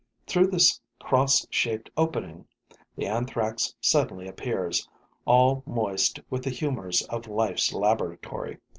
Through this cross shaped opening, the Anthrax suddenly appears, all moist with the humors of life's laboratory.